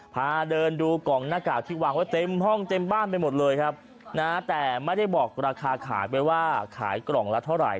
พาเดินดูกล่องหน้ากากที่วางไว้เต็มห้องเต็มบ้านไปหมดเลยครับนะแต่ไม่ได้บอกราคาขายไว้ว่าขายกล่องละเท่าไหร